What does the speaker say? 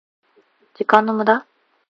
時間の無駄？